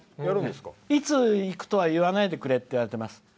いついくとは言わないでくれと言われています。